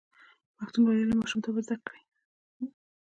پښتونولي له ماشومتوبه زده کیږي.